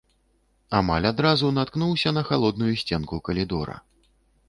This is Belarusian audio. Амаль адразу наткнуўся на халодную сценку калідора.